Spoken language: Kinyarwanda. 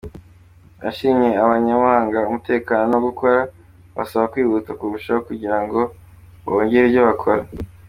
Yashimye abanya-Muhanga umutekano no gukora, abasaba kwihuta kurushaho kugira ngo bongere ibyo bakora.